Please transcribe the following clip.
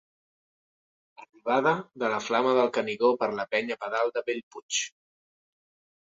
Arribada de la flama del Canigó per la penya pedal de Bellpuig.